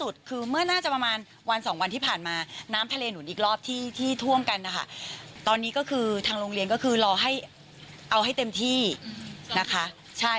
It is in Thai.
เดี๋ยวไปฟังเสียงพี่นุ้ยกันค่ะ